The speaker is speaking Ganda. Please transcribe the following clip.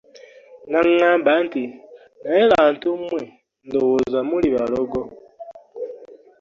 N’angamba nti “Naye abantu mmwe ndowooza muli balogo.